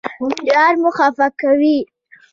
یار مه خفه کوئ